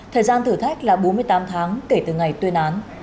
thời gian thử thách là bốn mươi tám tháng kể từ ngày tuyên án